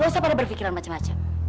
gak usah pada berpikiran macem macem